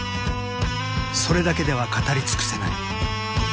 それだけでは語り尽くせない。